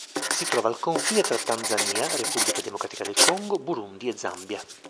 Si trova al confine tra Tanzania, Repubblica Democratica del Congo, Burundi e Zambia.